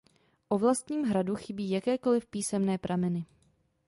O vlastním hradu chybí jakékoliv písemné prameny.